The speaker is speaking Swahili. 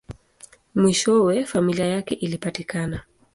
Mwishowe, familia yake ilipatikana.